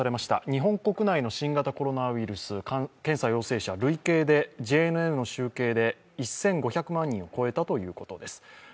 日本国内の新型コロナウイルス検査陽性者、累計でＪＮＮの集計で１５００万人を超えたということです。